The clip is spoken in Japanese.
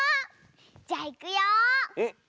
じゃいくよ。